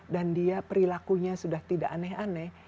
dan dia perilakunya sudah tidak aneh aneh